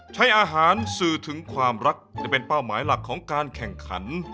ใช้อาหารสื่อถึงความรักจะเป็นเป้าหมายหลักของการแข่งขัน